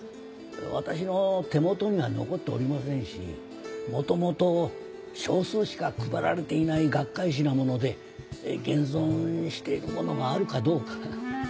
私の手元には残っておりませんし元々少数しか配られていない学会誌なもので現存しているものがあるかどうか。